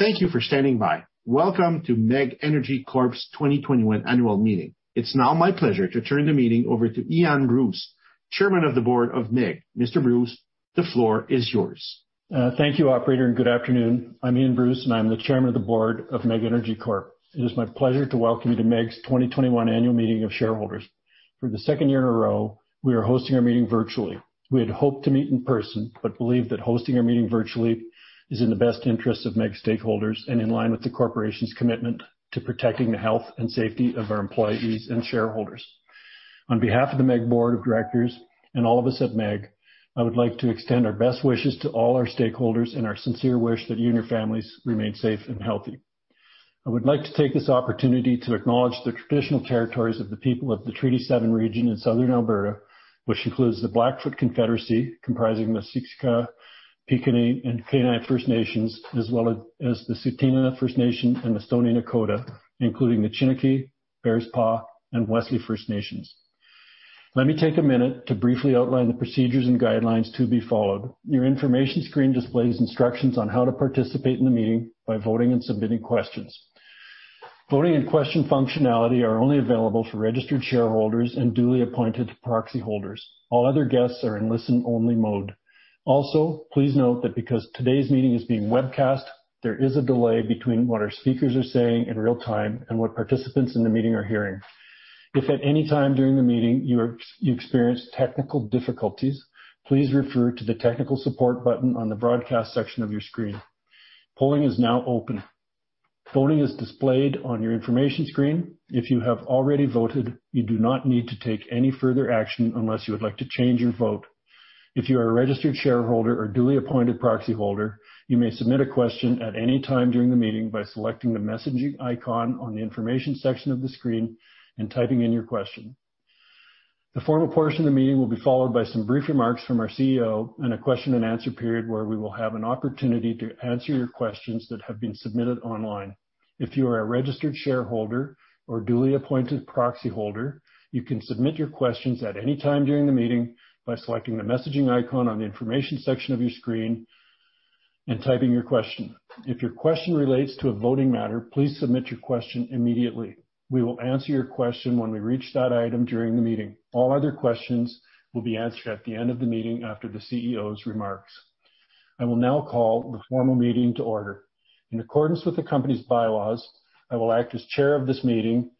Thank you for standing by. Welcome to MEG Energy Corp's 2021 annual meeting. It's now my pleasure to turn the meeting over to Ian Bruce, Chairman of the Board of MEG. Mr. Bruce, the floor is yours. Thank you, operator. Good afternoon. I'm Ian Bruce, and I'm the chairman of the board of MEG Energy Corp. It is my pleasure to welcome you to MEG's 2021 annual meeting of shareholders. For the second year in a row, we are hosting our meeting virtually. We had hoped to meet in person, but believe that hosting our meeting virtually is in the best interest of MEG stakeholders and in line with the corporation's commitment to protecting the health and safety of our employees and shareholders. On behalf of the MEG board of directors and all of us at MEG, I would like to extend our best wishes to all our stakeholders and our sincere wish that you and your families remain safe and healthy. I would like to take this opportunity to acknowledge the traditional territories of the people of the Treaty 7 region in Southern Alberta, which includes the Blackfoot Confederacy, comprising the Siksika, Piikani, and Kainai First Nations, as well as the Tsuut'ina Nation and the Stoney Nakoda, including the Chiniki, Bearspaw, and Goodstoney First Nation. Let me take 1 minute to briefly outline the procedures and guidelines to be followed. Your information screen displays instructions on how to participate in the meeting by voting and submitting questions. Voting and question functionality are only available for registered shareholders and duly appointed proxy holders. All other guests are in listen-only mode. Also, please note that because today's meeting is being webcast, there is a delay between what our speakers are saying in real time and what participants in the meeting are hearing. If at any time during the meeting you experience technical difficulties, please refer to the technical support button on the broadcast section of your screen. Polling is now open. Voting is displayed on your information screen. If you have already voted, you do not need to take any further action unless you would like to change your vote. If you are a registered shareholder or duly appointed proxy holder, you may submit a question at any time during the meeting by selecting the messaging icon on the information section of the screen and typing in your question. The formal portion of the meeting will be followed by some brief remarks from our CEO and a question and answer period where we will have an opportunity to answer your questions that have been submitted online. If you are a registered shareholder or duly appointed proxy holder, you can submit your questions at any time during the meeting by selecting the messaging icon on the information section of your screen and typing your question. If your question relates to a voting matter, please submit your question immediately. We will answer your question when we reach that item during the meeting. All other questions will be answered at the end of the meeting after the CEO's remarks. I will now call the formal meeting to order. In accordance with the company's bylaws, I will act as chair of this meeting.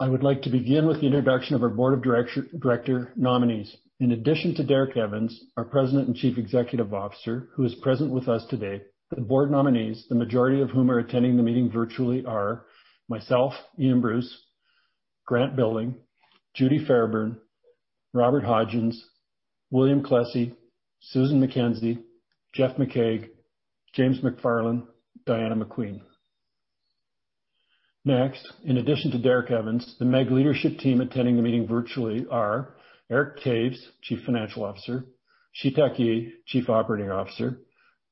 I would like to begin with the introduction of our board of director nominees. In addition to Derek Evans, our President and Chief Executive Officer, who is present with us today, the board nominees, the majority of whom are attending the meeting virtually, are myself, Ian Bruce, Grant Billing, Judy Fairburn, Robert Hodgins, William Klesse, Susan MacKenzie, Jeff McCaig, James McFarland, Diana McQueen. In addition to Derek Evans, the MEG leadership team attending the meeting virtually are Eric Toews, Chief Financial Officer, Chi-Tak Yee, Chief Operating Officer,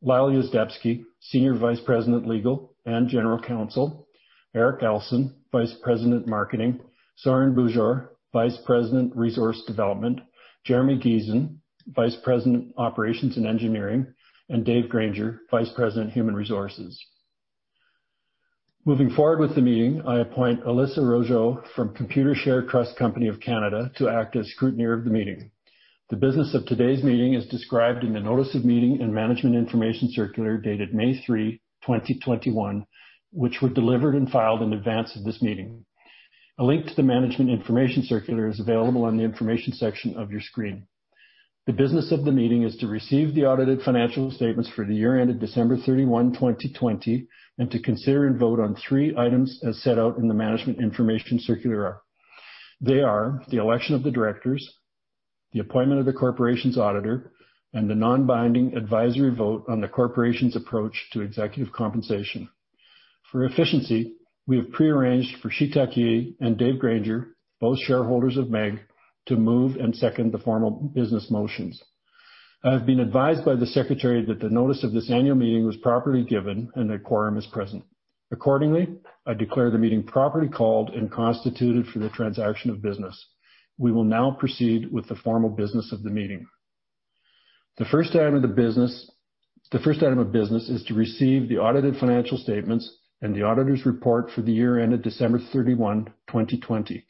Lyle Yuzdepski, Senior Vice President, Legal and General Counsel, Erik Alson, Vice President, Marketing, Sarin Bhujur, Vice President, Resource Development, Jeremy Giesen, Vice President, Operations and Engineering, and Dave Granger, Vice President, Human Resources. Moving forward with the meeting, I appoint Alyssa Rougeau from Computershare Trust Company of Canada to act as scrutineer of the meeting. The business of today's meeting is described in the notice of meeting and management information circular dated May 3, 2021, which were delivered and filed in advance of this meeting. A link to the management information circular is available on the information section of your screen. The business of the meeting is to receive the audited financial statements for the year ended December 31, 2020, and to consider and vote on three items as set out in the management information circular. They are the election of the directors, the appointment of the corporation's auditor, and the non-binding advisory vote on the corporation's approach to executive compensation. For efficiency, we have pre-arranged for Chi-Tak Yee and Dave Granger, both shareholders of MEG, to move and second the formal business motions. I have been advised by the secretary that the notice of this annual meeting was properly given and a quorum is present. Accordingly, I declare the meeting properly called and constituted for the transaction of business. We will now proceed with the formal business of the meeting. The first item of business is to receive the audited financial statements and the auditor's report for the year ended December 31, 2020.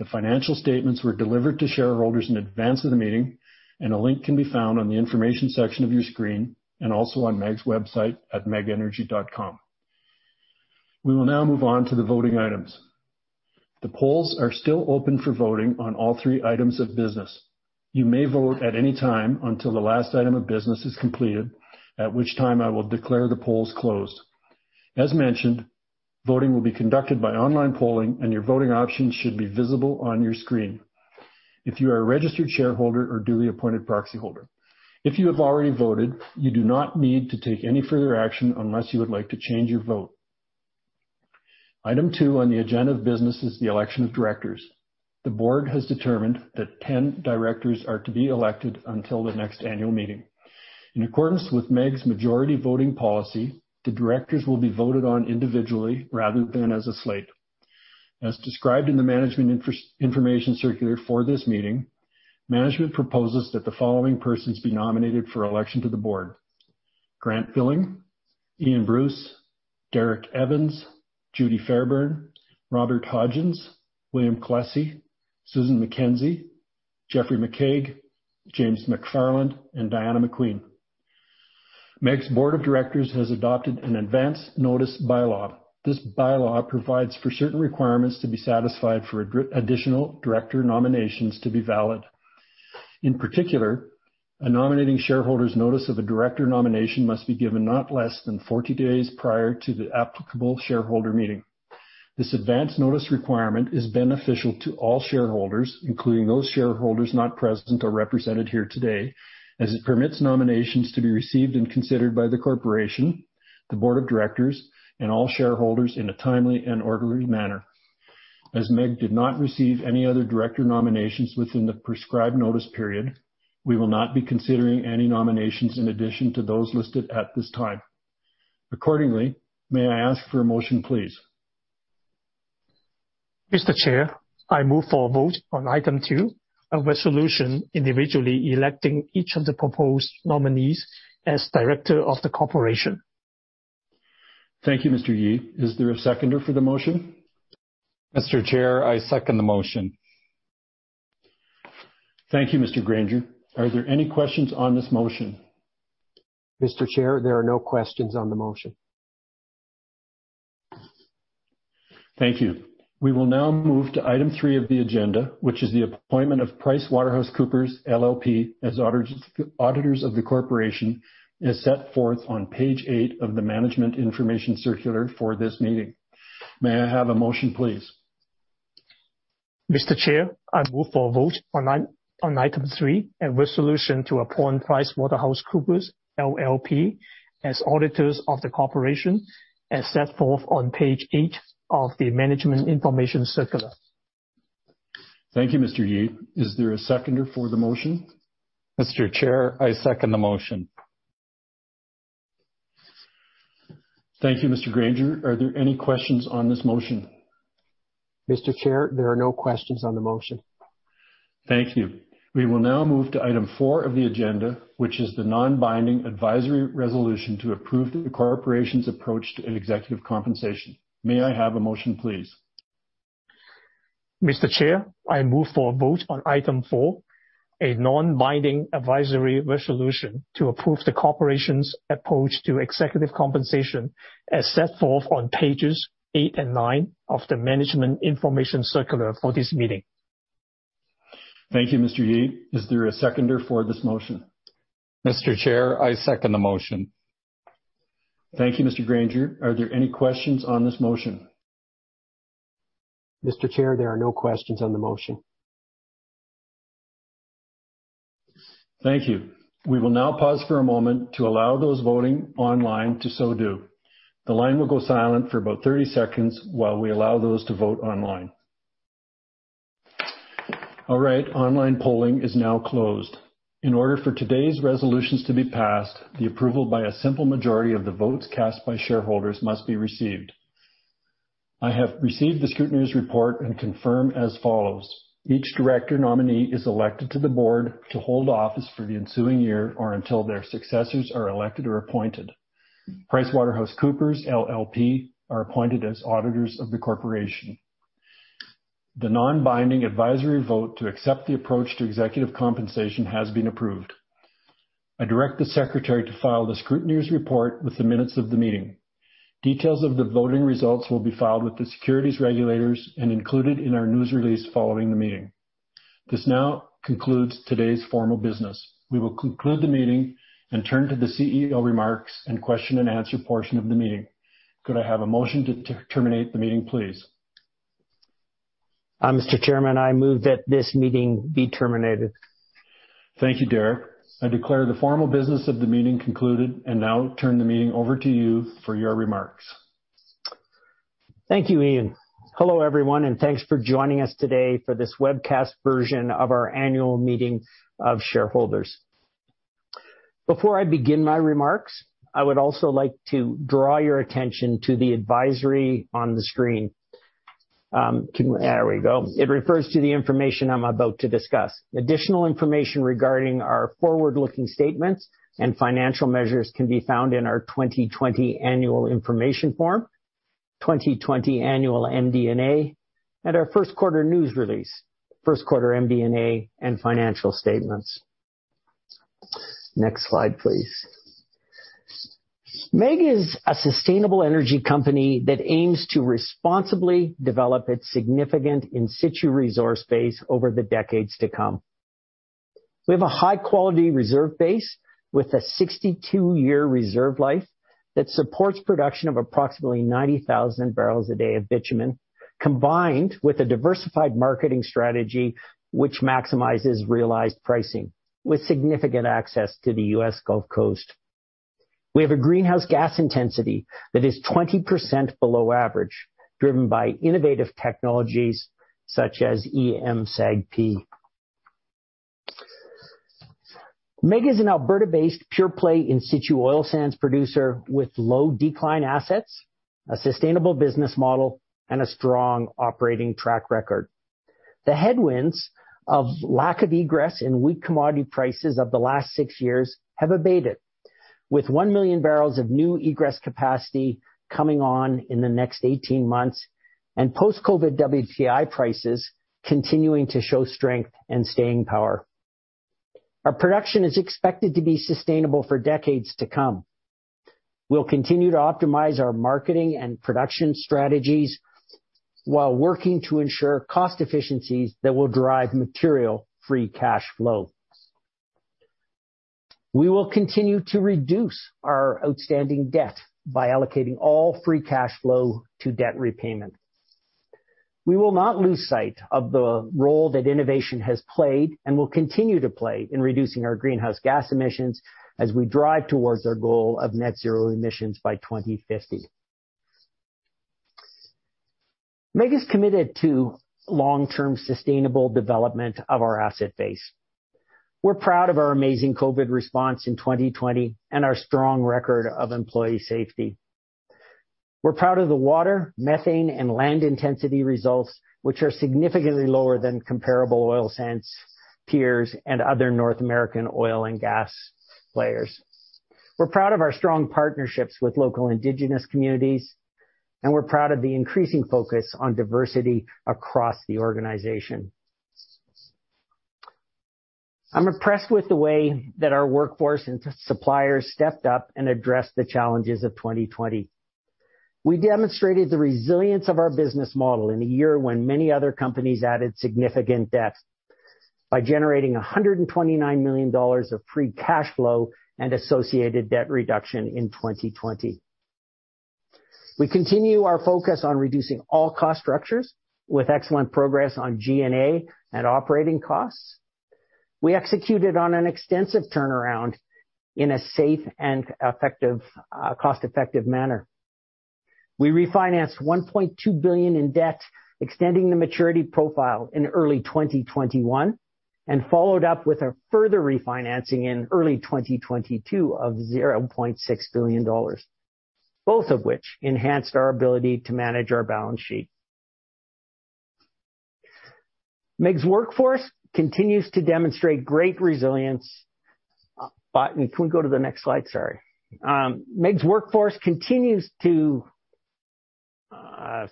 The financial statements were delivered to shareholders in advance of the meeting, and a link can be found on the information section of your screen and also on MEG's website at megenergy.com. We will now move on to the voting items. The polls are still open for voting on all three items of business. You may vote at any time until the last item of business is completed, at which time I will declare the polls closed. As mentioned, voting will be conducted by online polling, and your voting options should be visible on your screen if you are a registered shareholder or duly appointed proxy holder. If you have already voted, you do not need to take any further action unless you would like to change your vote. Item two on the agenda of business is the election of directors. The board has determined that 10 directors are to be elected until the next annual meeting. In accordance with MEG's majority voting policy, the directors will be voted on individually rather than as a slate. As described in the management information circular for this meeting, management proposes that the following persons be nominated for election to the board: Grant Billing, Ian Bruce, Derek Evans, Judy Fairburn, Robert Hodgins, William Klesse, Susan MacKenzie, Jeffrey J. McCaig, James D. McFarland, and Diana McQueen. MEG's Board of Directors has adopted an advance notice bylaw. This bylaw provides for certain requirements to be satisfied for additional director nominations to be valid. In particular, a nominating shareholder's notice of a director nomination must be given not less than 40 days prior to the applicable shareholder meeting. This advance notice requirement is beneficial to all shareholders, including those shareholders not present or represented here today, as it permits nominations to be received and considered by the corporation, the Board of Directors, and all shareholders in a timely and orderly manner. As MEG did not receive any other director nominations within the prescribed notice period, we will not be considering any nominations in addition to those listed at this time. Accordingly, may I ask for a motion, please? Mr. Chair, I move for a vote on item two of resolution individually electing each of the proposed nominees as director of the corporation. Thank you, Mr. Yee. Is there a seconder for the motion? Mr. Chair, I second the motion. Thank you, Mr. Granger. Are there any questions on this motion? Mr. Chair, there are no questions on the motion. Thank you. We will now move to item three of the agenda, which is the appointment of PricewaterhouseCoopers LLP, as auditors of the corporation, as set forth on page eight of the management information circular for this meeting. May I have a motion, please? Mr. Chair, I move for a vote on item three and resolution to appoint PricewaterhouseCoopers LLP, as auditors of the corporation, as set forth on page eight of the management information circular. Thank you, Mr. Yee. Is there a seconder for the motion? Mr. Chair, I second the motion. Thank you, Mr. Granger. Are there any questions on this motion? Mr. Chair, there are no questions on the motion. Thank you. We will now move to item four of the agenda, which is the non-binding advisory resolution to approve the corporation's approach to executive compensation. May I have a motion, please? Mr. Chair, I move for a vote on item four, a non-binding advisory resolution to approve the corporation's approach to executive compensation, as set forth on pages eight and nine of the management information circular for this meeting. Thank you, Mr. Yee. Is there a seconder for this motion? Mr. Chair, I second the motion. Thank you, Mr. Granger. Are there any questions on this motion? Mr. Chair, there are no questions on the motion. Thank you. We will now pause for a moment to allow those voting online to so do. The line will go silent for about 30 seconds while we allow those to vote online. All right. Online polling is now closed. In order for today's resolutions to be passed, the approval by a simple majority of the votes cast by shareholders must be received. I have received the scrutineer's report and confirm as follows: Each director nominee is elected to the board to hold office for the ensuing year or until their successors are elected or appointed. PricewaterhouseCoopers LLP, are appointed as auditors of the corporation. The non-binding advisory vote to accept the approach to executive compensation has been approved. I direct the secretary to file the scrutineer's report with the minutes of the meeting. Details of the voting results will be filed with the securities regulators and included in our news release following the meeting. This now concludes today's formal business. We will conclude the meeting and turn to the CEO remarks and question-and-answer portion of the meeting. Could I have a motion to terminate the meeting, please? Mr. Chairman, I move that this meeting be terminated. Thank you, Derek. I declare the formal business of the meeting concluded, and now turn the meeting over to you for your remarks. Thank you, Ian. Hello, everyone, and thanks for joining us today for this webcast version of our annual meeting of shareholders. Before I begin my remarks, I would also like to draw your attention to the advisory on the screen. There we go. It refers to the information I'm about to discuss. Additional information regarding our forward-looking statements and financial measures can be found in our 2020 Annual Information Form, 2020 Annual MD&A, and our first quarter news release, first quarter MD&A, and financial statements. Next slide, please. MEG is a sustainable energy company that aims to responsibly develop its significant in situ resource base over the decades to come. We have a high-quality reserve base with a 62-year reserve life that supports production of approximately 90,000 bbl a day of bitumen, combined with a diversified marketing strategy which maximizes realized pricing, with significant access to the U.S. Gulf Coast. We have a greenhouse gas intensity that is 20% below average, driven by innovative technologies such as eMSAGP MEG is an Alberta-based pure-play in situ oil sands producer with low decline assets, a sustainable business model, and a strong operating track record. The headwinds of lack of egress and weak commodity prices of the last six years have abated, with 1 million bbl of new egress capacity coming on in the next 18 months and post-COVID WTI prices continuing to show strength and staying power. Our production is expected to be sustainable for decades to come. We'll continue to optimize our marketing and production strategies while working to ensure cost efficiencies that will drive material free cash flow. We will continue to reduce our outstanding debt by allocating all free cash flow to debt repayment. We will not lose sight of the role that innovation has played and will continue to play in reducing our greenhouse gas emissions as we drive towards our goal of net zero emissions by 2050. MEG is committed to long-term sustainable development of our asset base. We're proud of our amazing COVID response in 2020 and our strong record of employee safety. We're proud of the water, methane, and land intensity results, which are significantly lower than comparable oil sands peers and other North American oil and gas players. We're proud of our strong partnerships with local indigenous communities, and we're proud of the increasing focus on diversity across the organization. I'm impressed with the way that our workforce and suppliers stepped up and addressed the challenges of 2020. We demonstrated the resilience of our business model in a year when many other companies added significant debt by generating 129 million dollars of free cash flow and associated debt reduction in 2020. We continue our focus on reducing all cost structures with excellent progress on G&A and operating costs. We executed on an extensive turnaround in a safe and cost-effective manner. We refinanced 1.2 billion in debt, extending the maturity profile in early 2021, and followed up with a further refinancing in early 2022 of 0.6 billion dollars, both of which enhanced our ability to manage our balance sheet. MEG's workforce continues to demonstrate great resilience. If we go to the next slide, sorry.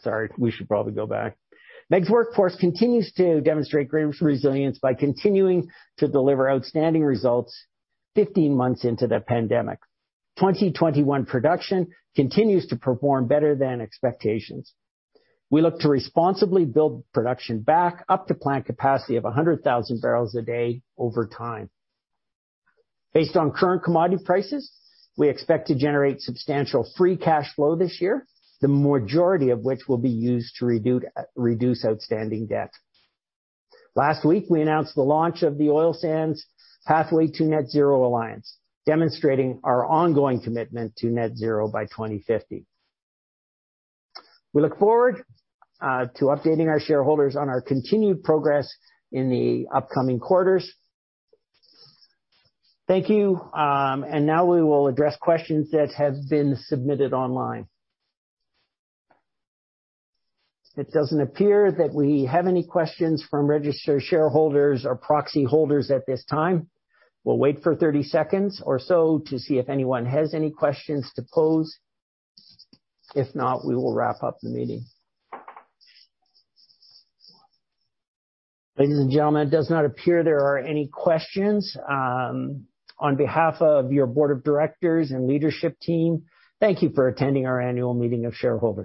Sorry, we should probably go back. MEG's workforce continues to demonstrate great resilience by continuing to deliver outstanding results 15 months into the pandemic. 2021 production continues to perform better than expectations. We look to responsibly build production back up to plant capacity of 100,000 bbl a day over time. Based on current commodity prices, we expect to generate substantial free cash flow this year, the majority of which will be used to reduce outstanding debt. Last week, we announced the launch of the Oil Sands Pathways to Net Zero Alliance, demonstrating our ongoing commitment to net zero by 2050. We look forward to updating our shareholders on our continued progress in the upcoming quarters. Thank you. Now we will address questions that have been submitted online. It doesn't appear that we have any questions from registered shareholders or proxy holders at this time. We'll wait for 30 seconds or so to see if anyone has any questions to pose. If not, we will wrap up the meeting. Ladies and gentlemen, it does not appear there are any questions. On behalf of your board of directors and leadership team, thank you for attending our annual meeting of shareholders.